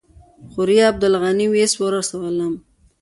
خوريي عبدالغني ویس ورسولم.